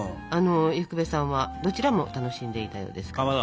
伊福部さんはどちらも楽しんでいたようですから。